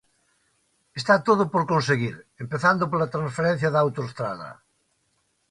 Está todo por conseguir, empezando pola transferencia da autoestrada.